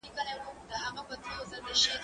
زه مخکي موسيقي اورېدلې وه!؟